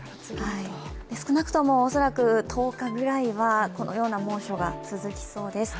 少なくとも恐らく１０日ぐらいはこのような猛暑が続きそうです。